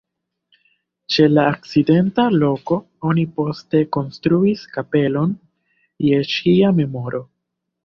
Ĉe la akcidenta loko oni poste konstruis kapelon je ŝia memoro.